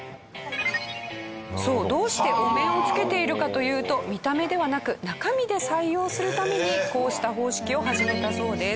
そうどうしてお面をつけているかというと見た目ではなく中身で採用するためにこうした方式を始めたそうです。